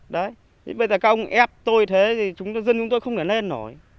đấy thì bây giờ các ông ép tôi thế thì dân chúng tôi không thể lên nổi